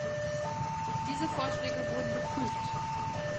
Diese Vorschläge wurden geprüft.